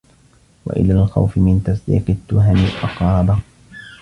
وَإِلَى الْخَوْفِ مِنْ تَصْدِيقِ التُّهَمِ أَقْرَبَ